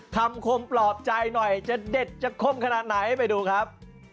คมปลอบใจหน่อยจะเด็ดจะคมขนาดไหนไปดูครับ